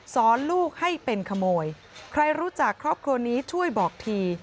สอนลูกให้เป็นขโมยใครรู้จักครอบครัวนี้ช่วยบอกที